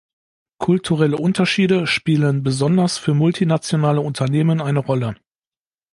Kulturelle Unterschiede spielen besonders für multinationale Unternehmen eine Rolle.